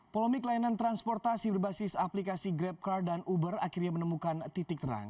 polomik layanan transportasi berbasis aplikasi grabcar dan uber akhirnya menemukan titik terang